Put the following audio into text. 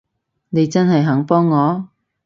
你真係肯幫我？